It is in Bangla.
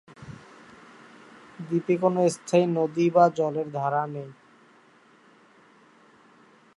দ্বীপে কোনও স্থায়ী নদী বা জলের ধারা নেই।